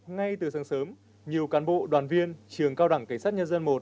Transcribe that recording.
ngay từ sáng sớm nhiều cán bộ đoàn viên trường cao đẳng cảnh sát nhân dân một